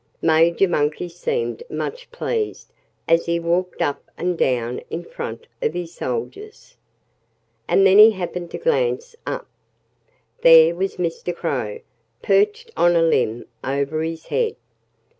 Major Monkey seemed much pleased as he walked up and down in front of his soldiers. And then he happened to glance up. There was Mr. Crow, perched on a limb over his head.